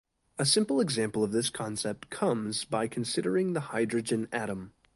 A simple example of this concept comes by considering the hydrogen atom.